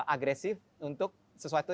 agresif untuk sesuatu